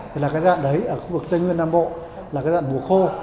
thì là cái đoạn đấy ở khu vực tây nguyên nam bộ là cái đoạn mùa khô